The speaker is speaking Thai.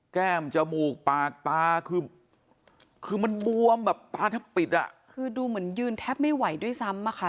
แก้มจมูกปากตาคือมันบวมแบบตาท่อปิดดูเหมือนยืนแทบไม่ไหวด้วยซ้ำ